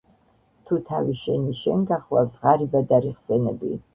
თუ თავი შენი შენ გახლავს, ღარიბად არ იხსენების